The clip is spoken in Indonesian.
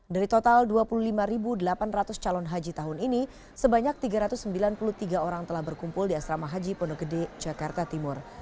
dari total dua puluh lima delapan ratus calon haji tahun ini sebanyak tiga ratus sembilan puluh tiga orang telah berkumpul di asrama haji pondok gede jakarta timur